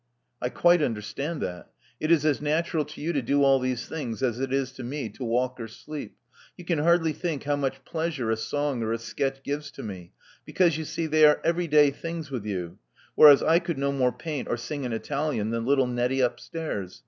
*'I quite understand that. It is as natural to you to do all these things as it is to me to walk or sleep. You can hardly think how much pleasure a song or a sketch gives to me, because, you see, they are every day things with you, whereas I could no more paint or sing in Italian than little Nettie upstairs.